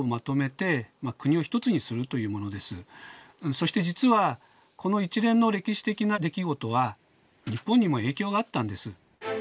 そして実はこの一連の歴史的な出来事は日本にも影響があったんです。